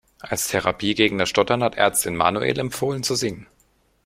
Als Therapie gegen das Stottern hat die Ärztin Manuel empfohlen zu singen.